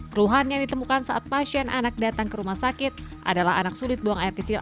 keluhan yang ditemukan saat pasien anak datang ke rumah sakit adalah anak sulit buang air kecil